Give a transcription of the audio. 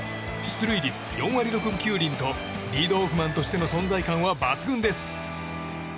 出塁率４割６分９厘とリードオフマンとしての存在感は抜群です。